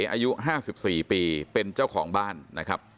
อายุห้าสิบสี่ปีเป็นเจ้าของบ้านนะครับ